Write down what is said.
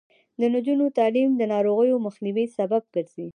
د نجونو تعلیم د ناروغیو مخنیوي سبب دی.